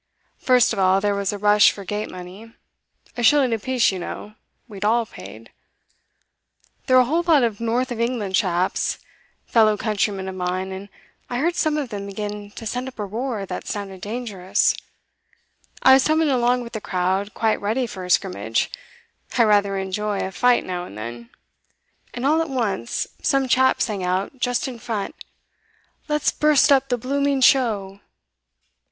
First of all there was a rush for the gate money; a shilling a piece, you know, we'd all paid. There were a whole lot of North of England chaps, fellow countrymen of mine, and I heard some of them begin to send up a roar that sounded dangerous. I was tumbling along with the crowd, quite ready for a scrimmage I rather enjoy a fight now and then, and all at once some chap sang out just in front, 'Let's burst up the blooming show!